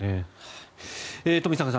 冨坂さん